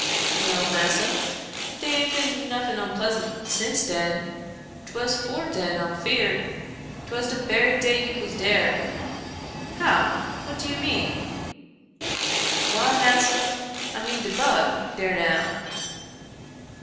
"" No, massa, dey aint bin noffin onpleasant since den — 'twas 'fore den I'm feared — 'twas de berry day you was dare." '* How ? what do you mean ?"" Why, massa, I mean de bug — dare now."